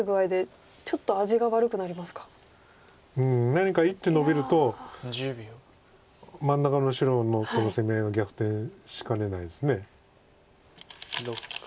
何か１手のびると真ん中の白との攻め合いが逆転しかねないです。